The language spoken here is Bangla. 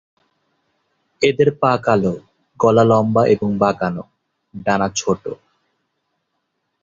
এদের পা কালো, গলা লম্বা এবং বাঁকানো, ডানা ছোট।